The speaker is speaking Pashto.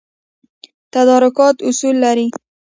تدارکات اصول لري